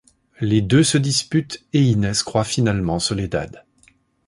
Les deux se disputent et Ines croit finalement Soledad.